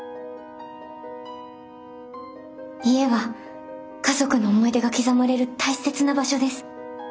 家は家族の思い出が刻まれる大切な場所です。